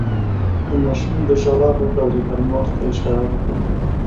د ماشوم د ژړا غږ اورېدل مور ته اشاره ده.